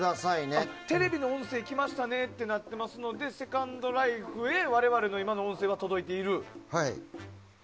テレビの音声きましたねってなってるのでセカンドライフへ我々の今の音声は届いていると。